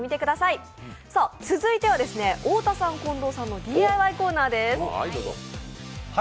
続いては、太田さん、近藤さん夫妻のＤＩＹコーナーです。